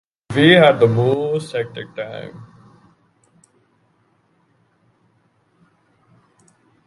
We had the most hectic time!